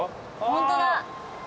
ホントだ。